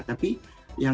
tapi yang sebetulnya